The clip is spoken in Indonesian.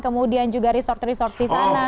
kemudian juga resort resort di sana